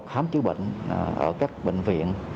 khi có khám chứa bệnh ở các bệnh viện